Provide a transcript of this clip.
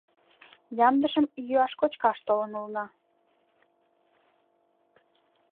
Ямдыжым йӱаш-кочкаш толын улына.